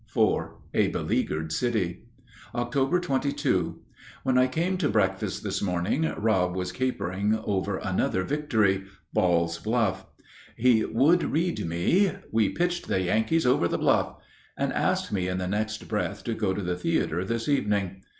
IV A BELEAGUERED CITY Oct. 22. When I came to breakfast this morning Rob was capering over another victory Ball's Bluff. He would read me, "We pitched the Yankees over the bluff," and ask me in the next breath to go to the theater this evening.